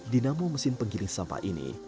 dinamo mesin penggiling sampah ini